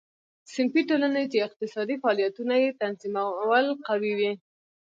صنفي ټولنې چې اقتصادي فعالیتونه یې تنظیمول قوي وې.